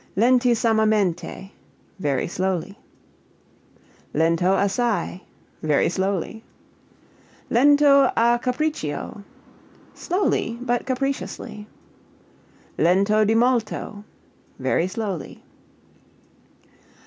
Lentissamamente very slowly. Lento assai very slowly. Lento a capriccio slowly but capriciously. Lento di molto very slowly.